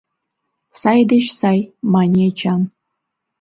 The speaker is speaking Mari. — Сай деч сай, — мане Эчан.